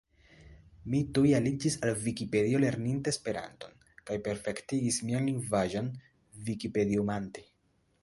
Mi tuj aliĝis al Vikipedio lerninte Esperanton kaj perfektigis mian lingvaĵon vikipediumante.